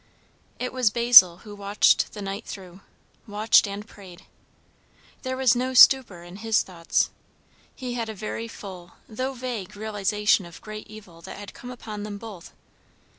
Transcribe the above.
It was Basil who watched the night through; watched and prayed. There was no stupor in his thoughts; he had a very full, though vague, realization of great evil that had come upon them both.